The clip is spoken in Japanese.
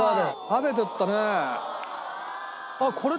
食べてたね。